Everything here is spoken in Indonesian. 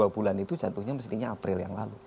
dua bulan itu jatuhnya mestinya april yang lalu